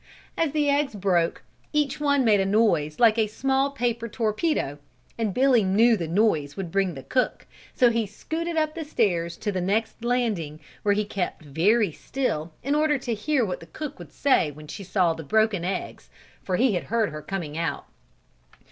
As the eggs broke, each one made a noise like a small paper torpedo, and Billy knew the noise would bring the cook, so he scooted up the stairs to the next landing, where he kept very still in order to hear what the cook would say when she saw the broken eggs for he heard her coming out.